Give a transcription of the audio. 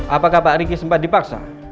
apakah pak riki sempat dipaksa